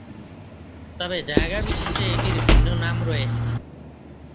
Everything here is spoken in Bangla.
তবে জায়গা বিশেষে এটির ভিন্ন নাম রয়েছে।